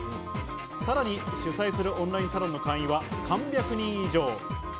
さらに主催するオンラインサロンの会員は３００人以上。